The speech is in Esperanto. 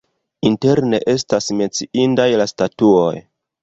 Interne estas menciindaj la statuoj.